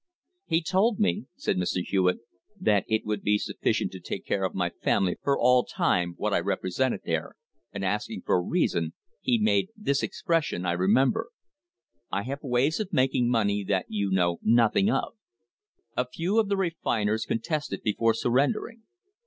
"He told me," said Mr. Hewitt, "that it would be suffi cient to take care of my family for all time, what I represented there, and asking for a reason, he made this expression, I remember: 'I have ways of making money that you know nothing of/ " A few of the refiners contested before surrendering.